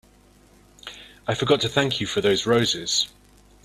I forgot to thank you for those roses.